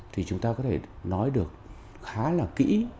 thì chúng ta có thể nói được khá là kỹ